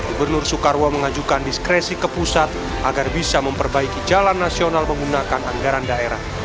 gubernur soekarwo mengajukan diskresi ke pusat agar bisa memperbaiki jalan nasional menggunakan anggaran daerah